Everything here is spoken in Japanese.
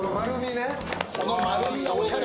この丸みがおしゃれ。